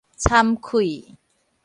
慚愧